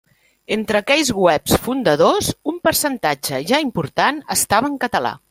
Entre aquells webs fundadors un percentatge ja important estava en català.